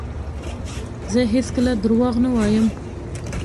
زه هیڅکله درواغ نه وایم.